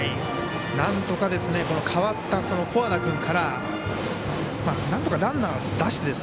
なんとか代わった古和田君からなんとかランナーを出して。